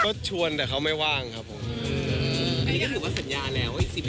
รูปชวนแต่เขาไม่ว่างครับผม